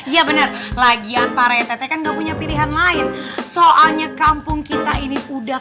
iya bener lagian para etete kan gak punya pilihan lain soalnya kampung kita ini udah